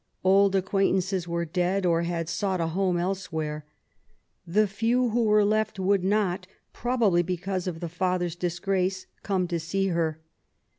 Old acquaintances were dead, or had sought a home elsewhere. The few who were left would not, probably because of the father's disgrace, come to see her.